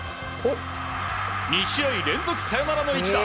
２試合連続のサヨナラの一打。